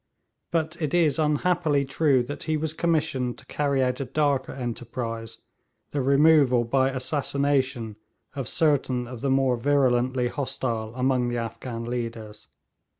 But it is unhappily true that he was commissioned to carry out a darker enterprise, the removal by assassination of certain of the more virulently hostile among the Afghan leaders.